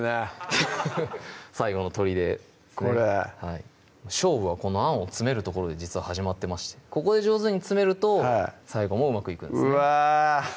フフフッ最後のとりでこれ勝負はこのあんを詰めるところで実は始まってましてここで上手に詰めると最後もうまくいくんですねうわ